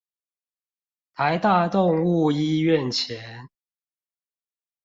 臺大動物醫院前